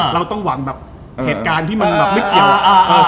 เราต้องหวังแบบเหตุการณ์ที่มันแบบไม่เกี่ยว